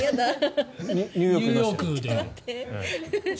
ニューヨークで。